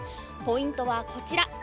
ポイントはこちら。